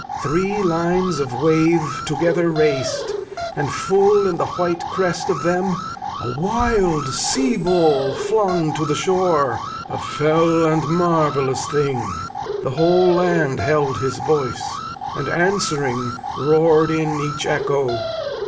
Three lines of wave together raced, and, full In the white crest of them, a wild Sea Bull Flung to the shore, a fell and marvellous Thing. The whole land held his voice, and answering Roared in each echo.